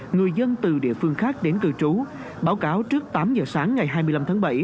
người dân từ địa phương khác đến cư trú báo cáo trước tám giờ sáng ngày hai mươi năm tháng bảy